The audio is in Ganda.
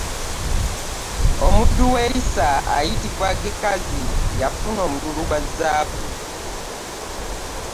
Omuddu wa Elisa ayitibwa Gekazi yafuna olwomululu gwa zaabu .